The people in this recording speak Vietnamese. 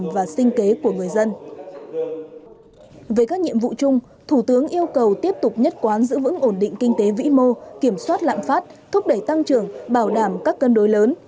về các nhiệm vụ chung thủ tướng yêu cầu tiếp tục nhất quán giữ vững ổn định kinh tế vĩ mô kiểm soát lạm phát thúc đẩy tăng trưởng bảo đảm các cân đối lớn